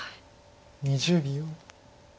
２０秒。